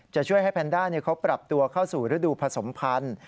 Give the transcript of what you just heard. จะช่วยให้แพนด้าเขาปรับตัวเข้าสู่ฤดูผสมพันธุ์